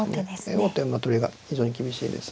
王手馬取りが非常に厳しいです。